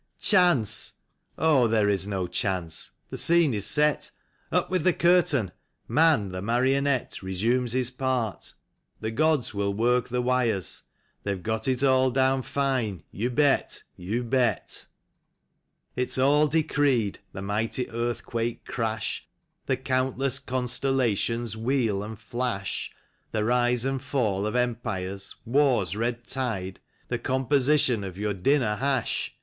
Chance ! Oh, there is no chance. The scene is set. Up with the curtain ! Man, the marionette, Eesumes his part. The gods will work the wires. They've got it all down fine, you bet, you bet! 46 QUATRAINS. It's all decreed: the mighty earthquake crash; The countless constellations' wheel and flash; The rise and fall of empires, war's red tide, The composition of your dinner hash.